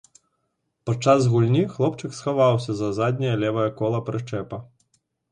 Падчас гульні хлопчык схаваўся за задняе левае кола прычэпа.